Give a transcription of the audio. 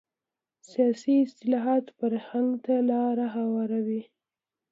سیاسي اصلاحات پرمختګ ته لاره هواروي